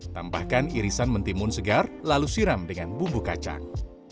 tambahkan irisan mentimun segar lalu siram dengan bumbu kacang